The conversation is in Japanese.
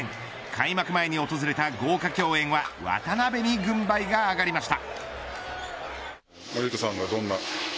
開幕前に訪れた豪華競演は渡邊に軍配が上がりました。